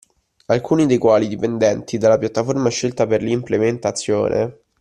Alcuni dei quali dipendenti dalla piattaforma scelta per l’implementazione